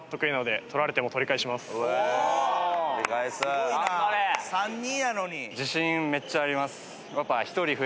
すごいな３・２やのに。